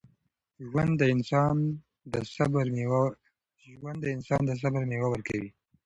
ژوند د انسان د صبر میوه ورکوي.